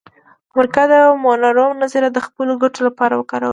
امریکا د مونرو نظریه د خپلو ګټو لپاره کاروله